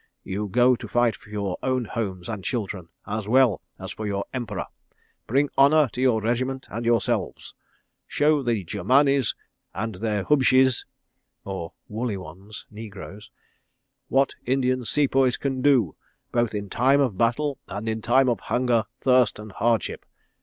You go to fight for your own homes and children, as well as for your Emperor. Bring honour to your regiment and yourselves. Show the Germanis and their _Hubshis _ what Indian Sepoys can do—both in time of battle and in time of hunger, thirst, and hardship.